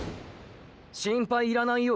心配いらないよ